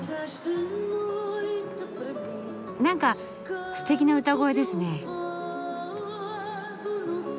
なんかすてきな歌声ですね。